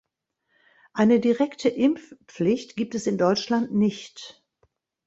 Eine direkte Impfpflicht gibt es in Deutschland nicht.